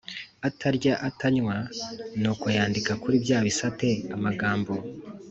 Atarya atanywa nuko yandika kuri bya bisate amagambo